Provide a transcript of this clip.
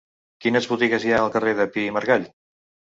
Quines botigues hi ha al carrer de Pi i Margall?